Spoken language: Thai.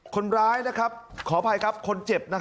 คนร้ายขออภัยคนเจ็บ